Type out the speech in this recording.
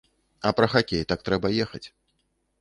А пра хакей, так, трэба ехаць.